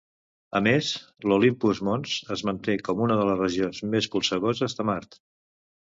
A més, l'Olympus Mons es manté com una de les regions més polsegoses de Mart.